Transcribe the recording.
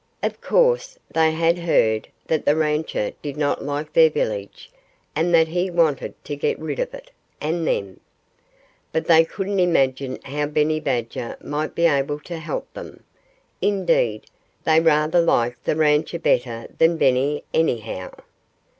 Of course, they had heard that the rancher did not like their village, and that he wanted to get rid of it and them. But they couldn't imagine how Benny Badger might be able to help them. Indeed, they rather liked the rancher better than Benny, anyhow.